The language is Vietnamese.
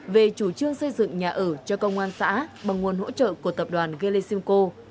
về chủ trương xây dựng nhà ở cho công an xã bằng nguồn hỗ trợ của tập đoàn gelesimco